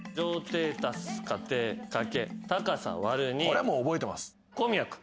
これもう覚えてます。